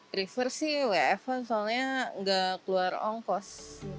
prefer sih wfh kan soalnya nggak keluar ongkos